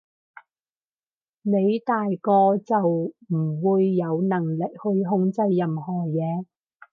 你大個就唔會有能力去控制任何嘢